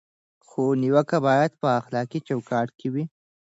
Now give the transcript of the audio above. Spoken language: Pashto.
خو نیوکه باید په اخلاقي چوکاټ کې وي.